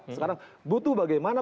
sekarang butuh bagaimana